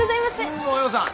おはようさん。